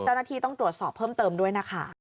เจ้าหน้าที่ต้องตรวจสอบเพิ่มเติมด้วยนะคะ